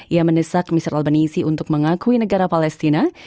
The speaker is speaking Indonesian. ia mendesak mr albanese untuk mengakui negara palestina